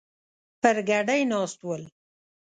پر ګدۍ ناست ول.